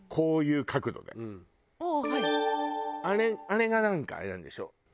あれがなんかあれなんでしょ？